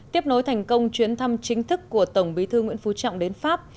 tiếp nối thành công chuyến thăm chính thức của tổng bí thư nguyễn phú trọng đến pháp